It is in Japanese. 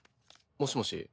もしもし。